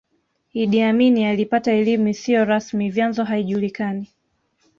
Idi Amin alipata elimu isiyo rasmi vyanzo haijulikani